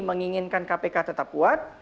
menginginkan kpk tetap kuat